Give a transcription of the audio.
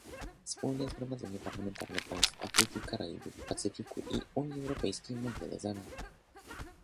Wspólne Zgromadzenie Parlamentarne państw Afryki, Karaibów i Pacyfiku i Unii Europejskiej ma wiele zadań